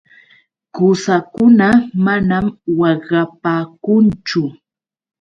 Qusakuna manam waqapaakunchu.